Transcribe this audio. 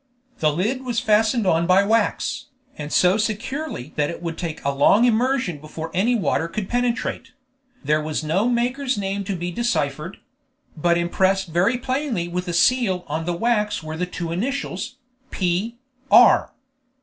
The lid was fastened on by wax, and so securely that it would take a long immersion before any water could penetrate; there was no maker's name to be deciphered; but impressed very plainly with a seal on the wax were the two initials "P. R."